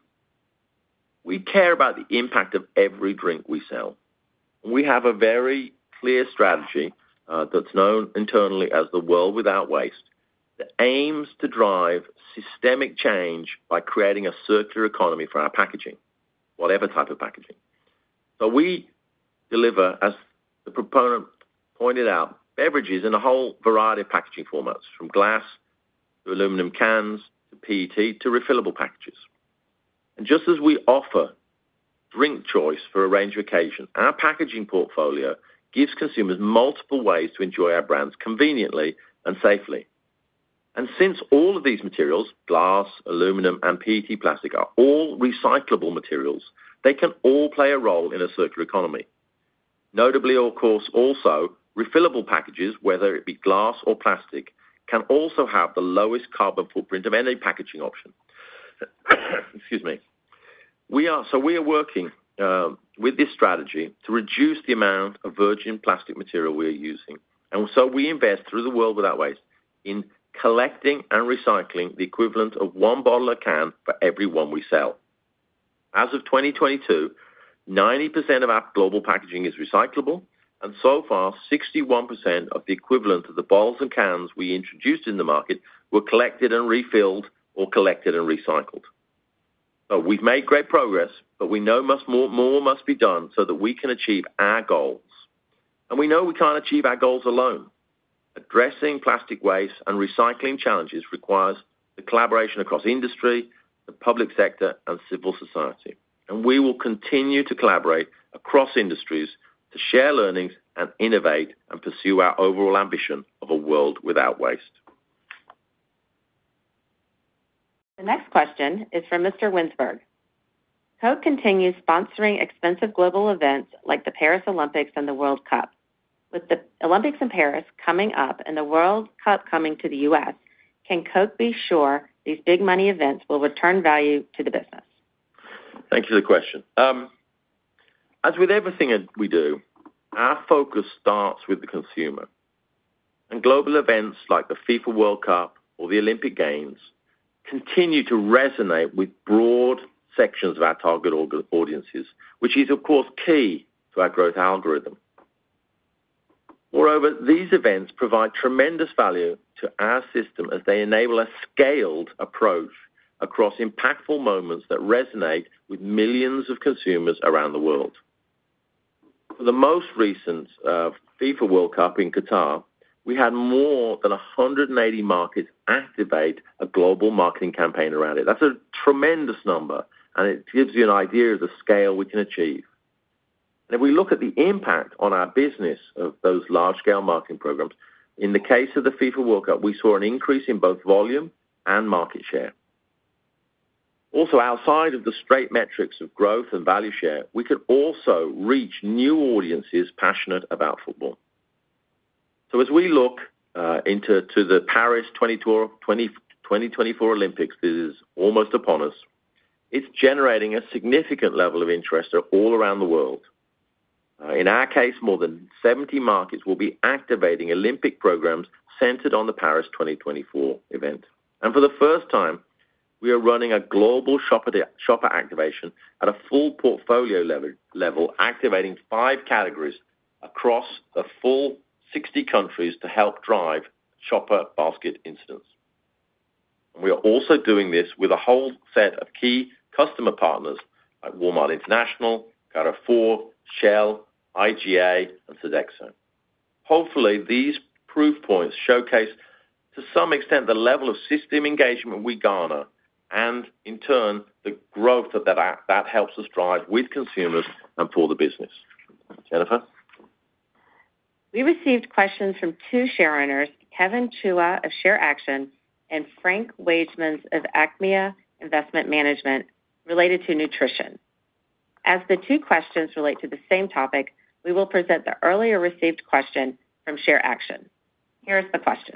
We care about the impact of every drink we sell. We have a very clear strategy that's known internally as the World Without Waste, that aims to drive systemic change by creating a circular economy for our packaging, whatever type of packaging. So we deliver, as the proponent pointed out, beverages in a whole variety of packaging formats, from glass to aluminum cans, to PET, to refillable packages. And just as we offer drink choice for a range of occasions, our packaging portfolio gives consumers multiple ways to enjoy our brands conveniently and safely. And since all of these materials, glass, aluminum, and PET plastic, are all recyclable materials, they can all play a role in a circular economy. Notably, of course, also, refillable packages, whether it be glass or plastic, can also have the lowest carbon footprint of any packaging option. Excuse me. We are working with this strategy to reduce the amount of virgin plastic material we are using, and so we invest through the World Without Waste in collecting and recycling the equivalent of one bottle or can for every one we sell. As of 2022, 90% of our global packaging is recyclable, and so far, 61% of the equivalent of the bottles and cans we introduced in the market were collected and refilled or collected and recycled. So we've made great progress, but we know more must be done so that we can achieve our goals. We know we can't achieve our goals alone. Addressing plastic waste and recycling challenges requires the collaboration across industry, the public sector, and civil society, and we will continue to collaborate across industries to share learnings and innovate and pursue our overall ambition of a World Without Waste. The next question is from Mr. Winsberg: Coke continues sponsoring expensive global events like the Paris Olympics and the World Cup. With the Olympics in Paris coming up and the World Cup coming to the US, can Coke be sure these big money events will return value to the business? Thank you for the question. As with everything that we do, our focus starts with the consumer. Global events like the FIFA World Cup or the Olympic Games continue to resonate with broad sections of our target audiences, which is, of course, key to our growth algorithm. Moreover, these events provide tremendous value to our system as they enable a scaled approach across impactful moments that resonate with millions of consumers around the world. For the most recent FIFA World Cup in Qatar, we had more than 180 markets activate a global marketing campaign around it. That's a tremendous number, and it gives you an idea of the scale we can achieve. If we look at the impact on our business of those large-scale marketing programs, in the case of the FIFA World Cup, we saw an increase in both volume and market share. Also, outside of the straight metrics of growth and value share, we could also reach new audiences passionate about football. So as we look into the Paris 2024 Olympics, this is almost upon us, it's generating a significant level of interest all around the world. In our case, more than 70 markets will be activating Olympic programs centered on the Paris 2024 event. And for the first time, we are running a global shopper activation at a full portfolio level, activating five categories across a full 60 countries to help drive shopper basket incidence. We are also doing this with a whole set of key customer partners like Walmart International, Carrefour, Shell, IGA, and Sodexo. Hopefully, these proof points showcase, to some extent, the level of system engagement we garner, and in turn, the growth that helps us drive with consumers and for the business. Jennifer? We received questions from two share owners, Kevin Chuah of ShareAction and Frank Wagemans of Achmea Investment Management, related to nutrition. As the two questions relate to the same topic, we will present the earlier received question from ShareAction. Here is the question: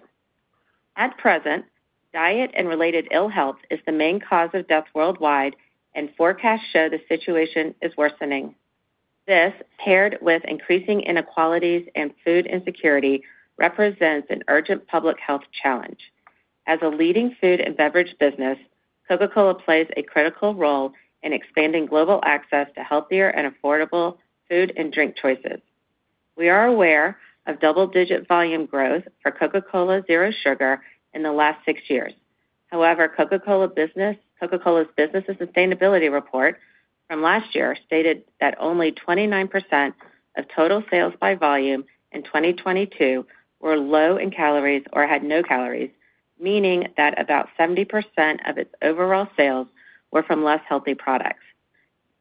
At present, diet and related ill health is the main cause of death worldwide, and forecasts show the situation is worsening. This, paired with increasing inequalities and food insecurity, represents an urgent public health challenge.... As a leading food and beverage business, Coca-Cola plays a critical role in expanding global access to healthier and affordable food and drink choices. We are aware of double-digit volume growth for Coca-Cola Zero Sugar in the last six years. However, Coca-Cola business, Coca-Cola's Business and Sustainability Report from last year stated that only 29% of total sales by volume in 2022 were low in calories or had no calories, meaning that about 70% of its overall sales were from less healthy products.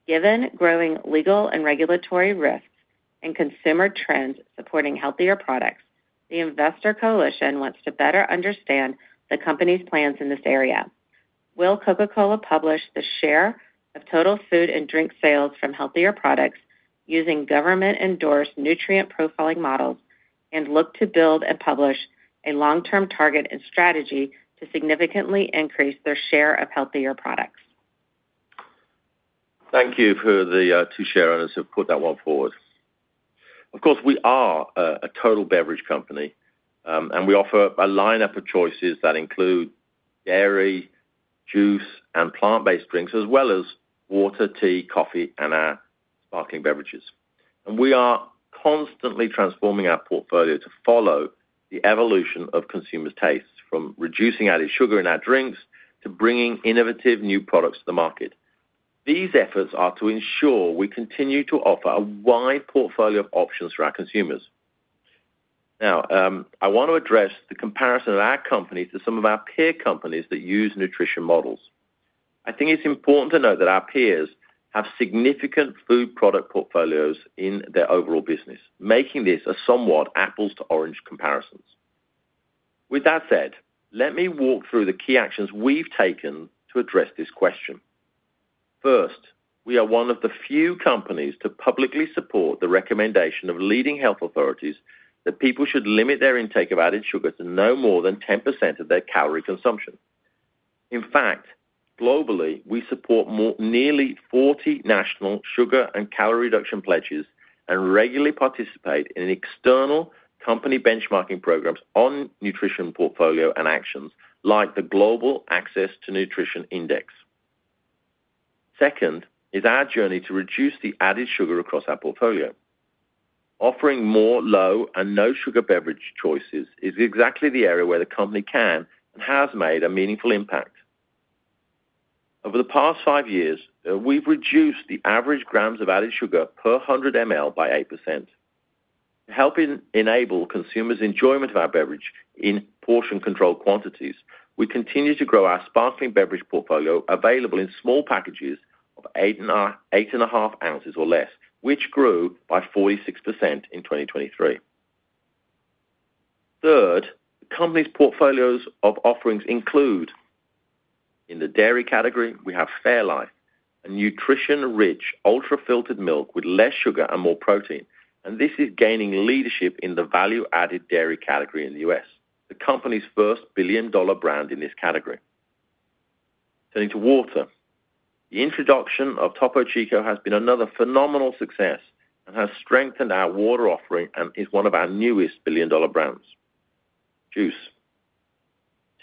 Given growing legal and regulatory risks and consumer trends supporting healthier products, the Investor Coalition wants to better understand the company's plans in this area. Will Coca-Cola publish the share of total food and drink sales from healthier products using government-endorsed nutrient profiling models, and look to build and publish a long-term target and strategy to significantly increase their share of healthier products? Thank you for the two shareowners who put that one forward. Of course, we are a total beverage company, and we offer a lineup of choices that include dairy, juice, and plant-based drinks, as well as water, tea, coffee, and our sparkling beverages. We are constantly transforming our portfolio to follow the evolution of consumers' tastes, from reducing added sugar in our drinks to bringing innovative new products to the market. These efforts are to ensure we continue to offer a wide portfolio of options for our consumers. Now, I want to address the comparison of our company to some of our peer companies that use nutrition models. I think it's important to note that our peers have significant food product portfolios in their overall business, making this a somewhat apples to oranges comparison. With that said, let me walk through the key actions we've taken to address this question. First, we are one of the few companies to publicly support the recommendation of leading health authorities that people should limit their intake of added sugar to no more than 10% of their calorie consumption. In fact, globally, we support more, nearly 40 national sugar and calorie reduction pledges and regularly participate in external company benchmarking programs on nutrition portfolio and actions like the Global Access to Nutrition Index. Second is our journey to reduce the added sugar across our portfolio. Offering more low and no sugar beverage choices is exactly the area where the company can and has made a meaningful impact. Over the past 5 years, we've reduced the average grams of added sugar per 100 ml by 8%. To help enable consumers' enjoyment of our beverage in portion controlled quantities, we continue to grow our sparkling beverage portfolio available in small packages of eight and a half ounces or less, which grew by 46% in 2023. Third, the company's portfolios of offerings include: in the dairy category, we have Fairlife, a nutrition-rich, ultra-filtered milk with less sugar and more protein, and this is gaining leadership in the value-added dairy category in the US, the company's first billion-dollar brand in this category. Turning to water. The introduction of Topo Chico has been another phenomenal success and has strengthened our water offering and is one of our newest billion-dollar brands. Juice.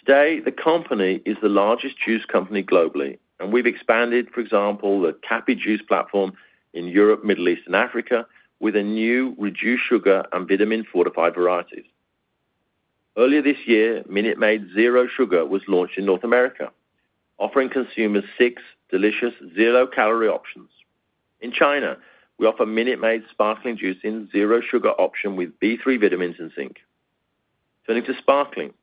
Today, the company is the largest juice company globally, and we've expanded, for example, the Cappy Juice platform in Europe, Middle East, and Africa, with a new reduced sugar and vitamin-fortified varieties. Earlier this year, Minute Maid Zero Sugar was launched in North America, offering consumers six delicious zero-calorie options. In China, we offer Minute Maid Sparkling juice in zero sugar option with B3 vitamins and zinc. Turning to sparkling.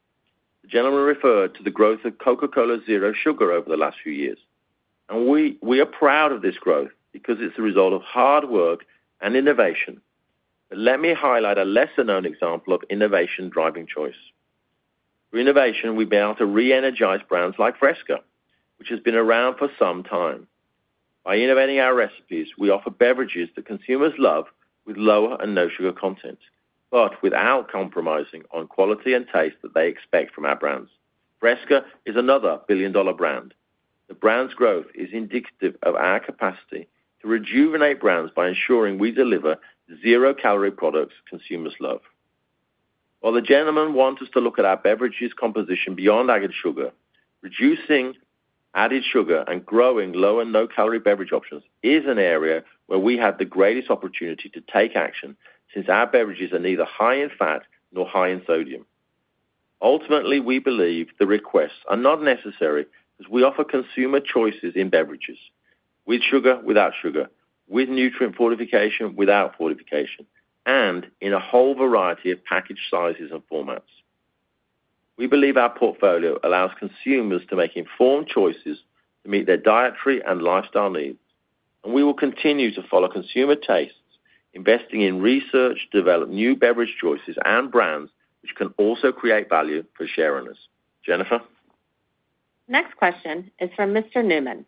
The gentleman referred to the growth of Coca-Cola Zero Sugar over the last few years, and we, we are proud of this growth because it's the result of hard work and innovation. Let me highlight a lesser-known example of innovation driving choice. Through innovation, we've been able to re-energize brands like Fresca, which has been around for some time. By innovating our recipes, we offer beverages that consumers love with lower and no sugar content, but without compromising on quality and taste that they expect from our brands. Fresca is another billion-dollar brand. The brand's growth is indicative of our capacity to rejuvenate brands by ensuring we deliver zero-calorie products consumers love. While the gentleman want us to look at our beverages' composition beyond added sugar, reducing added sugar and growing low and low-calorie beverage options is an area where we have the greatest opportunity to take action, since our beverages are neither high in fat nor high in sodium. Ultimately, we believe the requests are not necessary as we offer consumer choices in beverages: with sugar, without sugar, with nutrient fortification, without fortification, and in a whole variety of package sizes and formats. We believe our portfolio allows consumers to make informed choices to meet their dietary and lifestyle needs, and we will continue to follow consumer tastes, investing in research, develop new beverage choices and brands, which can also create value for shareowners. Jennifer? Next question is from Mr. Newman.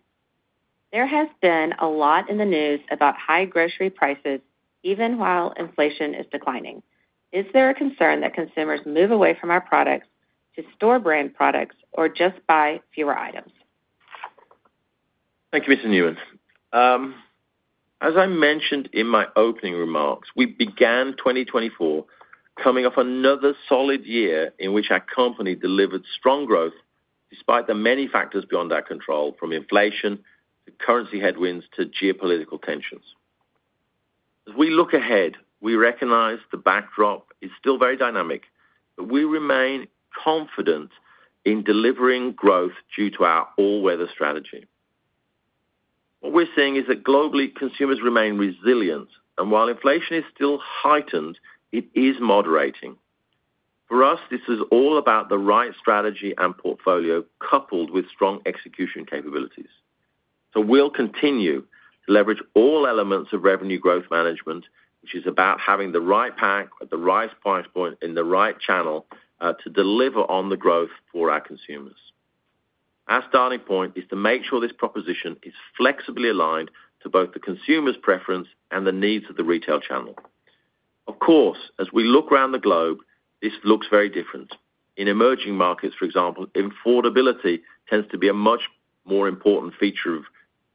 There has been a lot in the news about high grocery prices, even while inflation is declining. Is there a concern that consumers move away from our products to store brand products or just buy fewer items?... Thank you, Mr. Newman. As I mentioned in my opening remarks, we began 2024 coming off another solid year in which our company delivered strong growth, despite the many factors beyond our control, from inflation to currency headwinds to geopolitical tensions. As we look ahead, we recognize the backdrop is still very dynamic, but we remain confident in delivering growth due to our all-weather strategy. What we're seeing is that globally, consumers remain resilient, and while inflation is still heightened, it is moderating. For us, this is all about the right strategy and portfolio, coupled with strong execution capabilities. So we'll continue to leverage all elements of Revenue Growth Management, which is about having the right pack at the right price point in the right channel, to deliver on the growth for our consumers. Our starting point is to make sure this proposition is flexibly aligned to both the consumer's preference and the needs of the retail channel. Of course, as we look around the globe, this looks very different. In emerging markets, for example, affordability tends to be a much more important feature of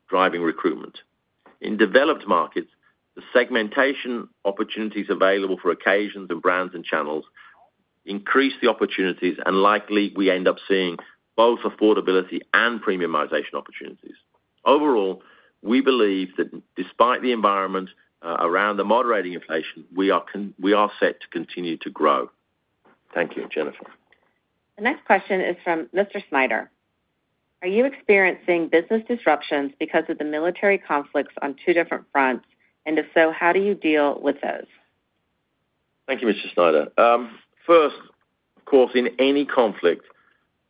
driving recruitment. In developed markets, the segmentation opportunities available for occasions and brands and channels increase the opportunities, and likely we end up seeing both affordability and premiumization opportunities. Overall, we believe that despite the environment around the moderating inflation, we are set to continue to grow. Thank you, Jennifer. The next question is from Mr. Snyder. Are you experiencing business disruptions because of the military conflicts on two different fronts? And if so, how do you deal with those? Thank you, Mr. Snyder. First, of course, in any conflict,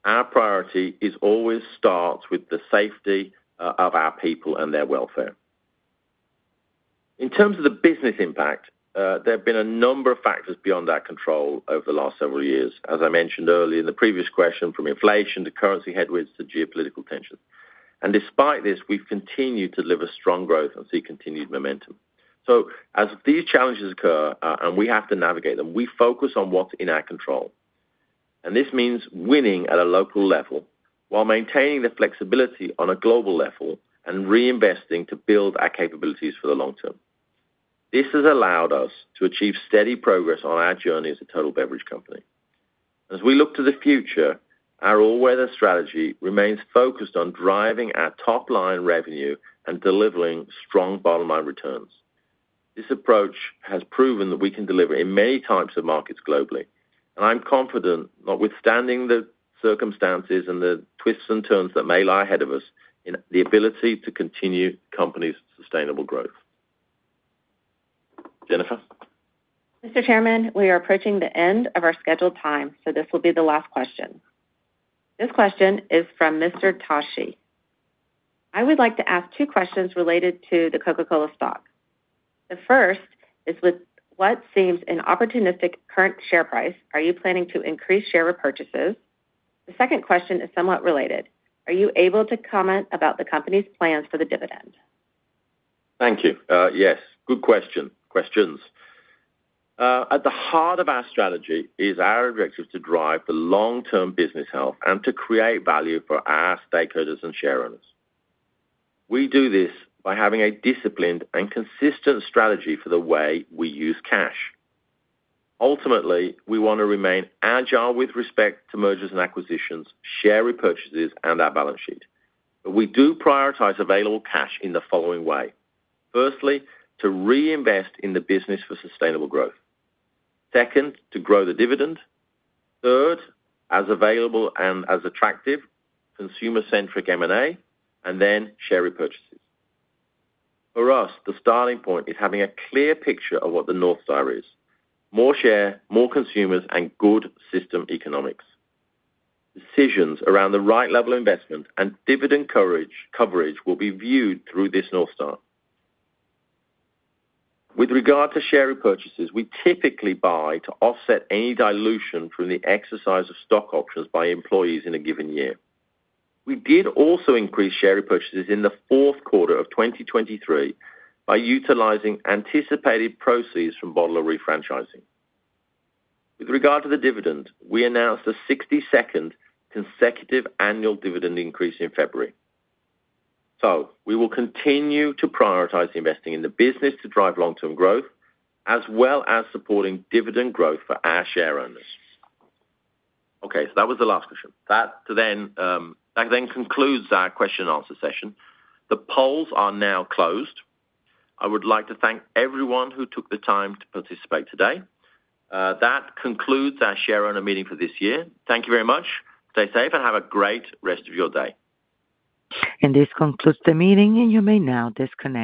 our priority is always starts with the safety of our people and their welfare. In terms of the business impact, there have been a number of factors beyond our control over the last several years, as I mentioned earlier in the previous question, from inflation to currency headwinds to geopolitical tension. Despite this, we've continued to deliver strong growth and see continued momentum. So as these challenges occur, and we have to navigate them, we focus on what's in our control. This means winning at a local level while maintaining the flexibility on a global level and reinvesting to build our capabilities for the long term. This has allowed us to achieve steady progress on our journey as a total beverage company. As we look to the future, our all-weather strategy remains focused on driving our top line revenue and delivering strong bottom line returns. This approach has proven that we can deliver in many types of markets globally, and I'm confident, notwithstanding the circumstances and the twists and turns that may lie ahead of us, in the ability to continue the company's sustainable growth. Jennifer? Mr. Chairman, we are approaching the end of our scheduled time, so this will be the last question. This question is from Mr. Tashi: I would like to ask two questions related to the Coca-Cola stock. The first is, with what seems an opportunistic current share price, are you planning to increase share repurchases? The second question is somewhat related. Are you able to comment about the company's plans for the dividend? Thank you. Yes, good question, questions. At the heart of our strategy is our objective to drive the long-term business health and to create value for our stakeholders and shareowners. We do this by having a disciplined and consistent strategy for the way we use cash. Ultimately, we want to remain agile with respect to mergers and acquisitions, share repurchases, and our balance sheet. But we do prioritize available cash in the following way: firstly, to reinvest in the business for sustainable growth; second, to grow the dividend; third, as available and as attractive, consumer-centric M&A; and then share repurchases. For us, the starting point is having a clear picture of what the North Star is. More share, more consumers, and good system economics. Decisions around the right level of investment and dividend coverage will be viewed through this North Star. With regard to share repurchases, we typically buy to offset any dilution from the exercise of stock options by employees in a given year. We did also increase share repurchases in the fourth quarter of 2023 by utilizing anticipated proceeds from bottler refranchising. With regard to the dividend, we announced the 62nd consecutive annual dividend increase in February. So we will continue to prioritize investing in the business to drive long-term growth, as well as supporting dividend growth for our shareowners. Okay, so that was the last question. That then, that then concludes our question and answer session. The polls are now closed. I would like to thank everyone who took the time to participate today. That concludes our shareowner meeting for this year. Thank you very much. Stay safe and have a great rest of your day. This concludes the meeting, and you may now disconnect.